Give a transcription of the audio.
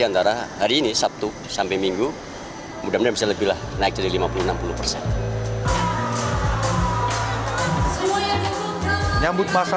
antara hari ini sabtu sampai minggu mudah mudahan bisa lebihlah naik jadi lima puluh enam puluh persen nyambut masa